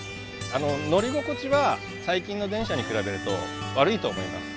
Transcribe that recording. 乗り心地は最近の電車に比べると悪いと思います。